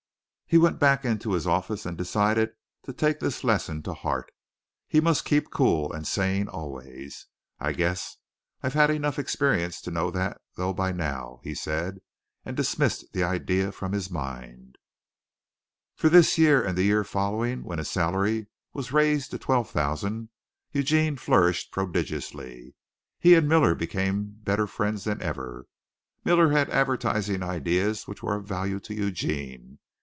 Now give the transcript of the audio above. He went back into his office and decided to take this lesson to heart. He must keep cool and sane always. "I guess I've had enough experience to know that, though, by now," he said and dismissed the idea from his mind. For this year and the year following, when his salary was raised to twelve thousand, Eugene flourished prodigiously. He and Miller became better friends than ever. Miller had advertising ideas which were of value to Eugene.